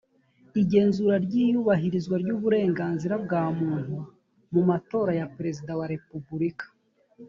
igenzura ry iyubahirizwa ry uburenganzira bwa muntu mu matora ya perezida wa repubulika